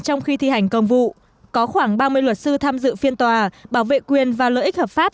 trong khi thi hành công vụ có khoảng ba mươi luật sư tham dự phiên tòa bảo vệ quyền và lợi ích hợp pháp